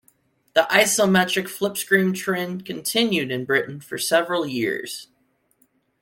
The isometric, flip-screen trend continued in Britain for several years.